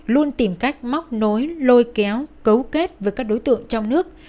luôn tìm cách móc nối lôi kéo cấu kết với các đối tượng trong nước